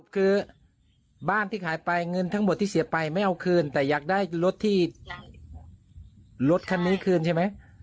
คือบ้านที่ขายไปเงินทั้งหมดที่เสียไปไม่เอาคืนแต่อยากได้รถที่รถคันนี้คืนใช่ไหม